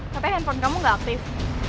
katanya handphone kamu gak aktif